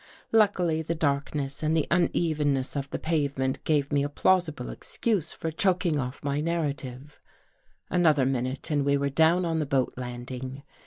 Luckily the darkness and the unevenness of the pavement gave me a plausible excuse for choking 273 THE GHOST GIRL off my narrative. Another minute and we were down on the boat landing.